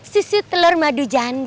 susu telur madu jande